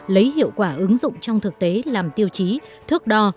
lấy hiệu quả ứng dụng trong thực tế làm tiêu chí thước đo